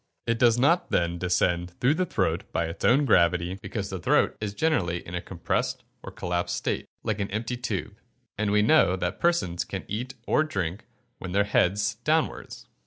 It does not then descend through the throat by its own gravity, because the throat is generally in a compressed or collapsed state, like an empty tube; and we know that persons can eat or drink when with their heads downwards.